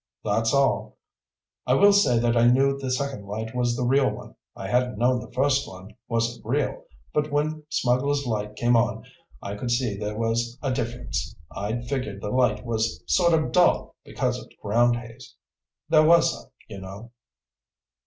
"That's all. I will say that I knew the second light was the real one. I hadn't known the first one wasn't real, but when Smugglers' Light came on I could see there was a difference. I'd figured the light was sort of dull because of ground haze. There was some, you know."